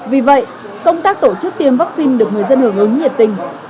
vì vậy công tác tổ chức tiêm vaccine được người dân hưởng ứng nhiệt tình